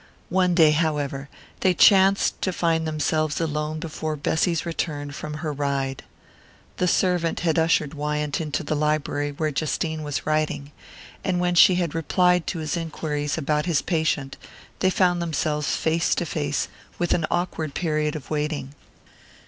One day, however, they chanced to find themselves alone before Bessy's return from her ride. The servant had ushered Wyant into the library where Justine was writing, and when she had replied to his enquiries about his patient they found themselves face to face with an awkward period of waiting.